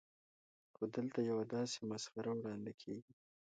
خو دلته یوه داسې مسخره وړاندې کېږي.